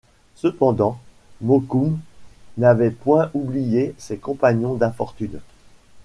Cependant, Mokoum n’avait point oublié ses compagnons d’infortune.